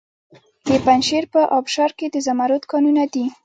د پنجشیر په ابشار کې د زمرد کانونه دي.